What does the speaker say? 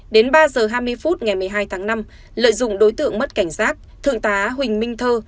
đến ba h hai mươi phút ngày một mươi hai tháng năm lợi dụng đối tượng mất cảnh giác thượng tá huỳnh minh thơ